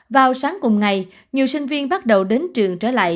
vào sáng cùng ngày nhiều sinh viên bắt đầu đến trường trở lại